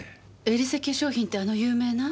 エリセ化粧品ってあの有名な？